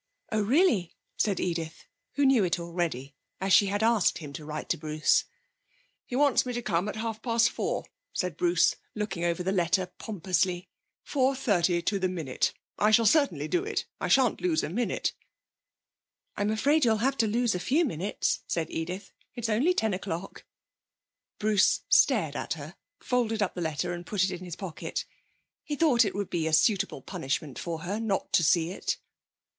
'Oh, really,' said Edith, who knew it already, as she had asked him to write to Bruce. 'He wants me to come at half past four,' said Bruce, looking over the letter pompously. 'Four thirty, to the minute. I shall certainly do it. I shan't lose a minute.' 'I'm afraid you'll have to lose a few minutes,' said Edith. 'It's only ten o'clock.' Bruce stared at her, folded up the letter, and put it in his pocket. He thought it would be a suitable punishment for her not to see it.